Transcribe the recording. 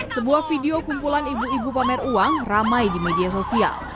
sebuah video kumpulan ibu ibu pamer uang ramai di media sosial